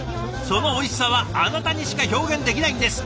そのおいしさはあなたにしか表現できないんです。